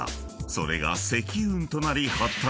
［それが積雲となり発達］